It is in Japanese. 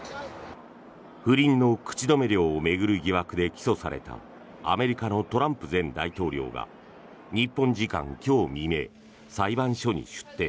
不倫の口止め料を巡る疑惑で起訴されたアメリカのトランプ前大統領が日本時間今日未明裁判所に出廷。